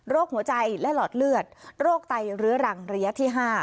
หัวใจและหลอดเลือดโรคไตเรื้อรังระยะที่๕